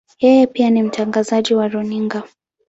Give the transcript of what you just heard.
Yeye pia ni mtangazaji wa runinga.